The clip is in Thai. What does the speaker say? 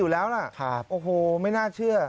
อยู่แล้วล่ะโอ้โหไม่น่าเชื่อ